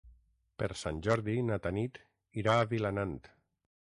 Per Sant Jordi na Tanit irà a Vilanant.